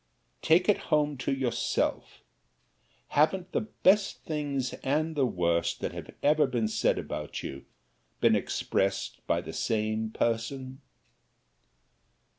Take it home to yourself haven't the best things and the worst that have ever been said about you, been expressed by the same person?